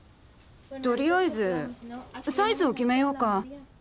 とりあえずサイズを決めようか。